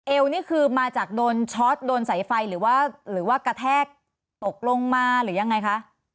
นี่คือมาจากโดนช็อตโดนสายไฟหรือว่าหรือว่ากระแทกตกลงมาหรือยังไงคะ